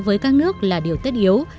với các nước là điều tất yếu